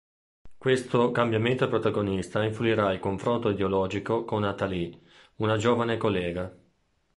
Questo cambiamento del protagonista influirà il confronto ideologico con Natalie, una giovane collega.